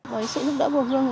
với sự giúp đỡ của thu phương